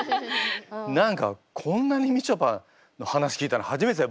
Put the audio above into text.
何かこんなにみちょぱの話聞いたの初めてだよ